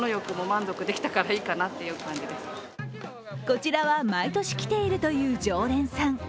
こちらは、毎年来ているという常連さん。